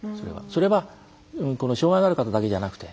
それは障害がある方だけじゃなくて。